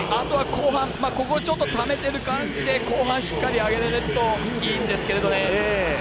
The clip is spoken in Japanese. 後半、ここはちょっとためてる感じで後半しっかり上げられるといいんですけど。